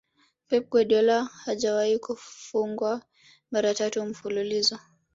Pep guardiola hajawahi kufungwa mara tatu mfululizo